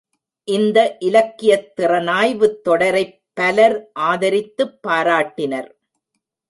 இந்த இலக்கியத் திறனாய்வுத் தொடரைப் பலர் ஆதரித்துப் பாராட்டினர்.